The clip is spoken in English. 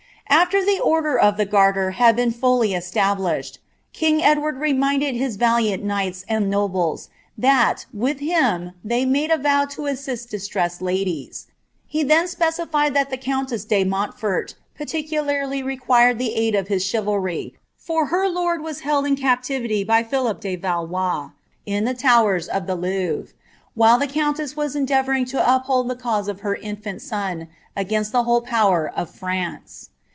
After the order or the Garter hail been fully eslabtished, king Edward mnindetl liis valiant knights snil noblea, that, with him, they made ■ TOW to Bsiisi diairessed ladies; he then apecilied that the cotinteaa de Mnnilbrt parucularly required ihe aJd of his chiTalry, for her lord wai helJ 11) captivity by Philip de Valoia, in ilie tower* of the Louvre, whil* the founteM was endeavoorlng to uphold the cause of her iurani aon, ■|[Bin«t the whole power of Fmnce.